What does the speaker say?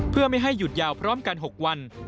เพื่อไม่ให้หยุดยาวพร้อมกัน๖วัน